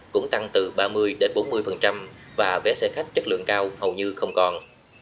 cũng tăng từ ba mươi đến bốn mươi và vé xe khách chất lượng cao hầu như không còn